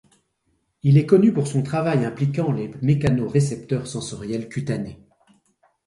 Il est connu pour son travail impliquant les mécanorécepteurs sensoriels cutanés.